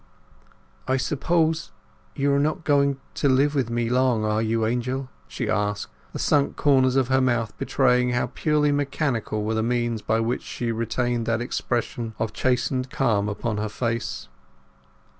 "I suppose—you are not going to live with me—long, are you, Angel?" she asked, the sunk corners of her mouth betraying how purely mechanical were the means by which she retained that expression of chastened calm upon her face.